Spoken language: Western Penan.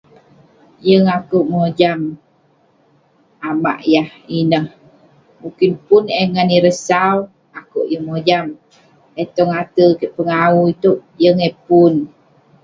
Yeng akouk mojam amak yah ineh. Mukin pun eh ngan ireh sau, akouk yeng mojam. Eh tong ate kek pengawu itouk, yeng eh pun.